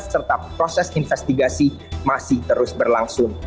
serta proses investigasi masih terus berlangsung